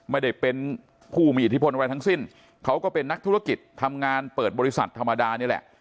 ไม่ได้เป็นผู้มีอิทธิพลอะไรทั้งสิ้นเขาก็เป็นนักธุรกิจทำงานเปิดบริษัทธรรมดานี่แหละ